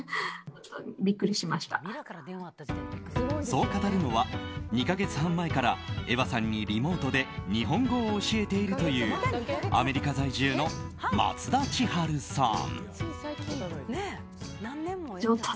そう語るのは、２か月半前からエヴァさんにリモートで日本語を教えているというアメリカ在住の松田千春さん。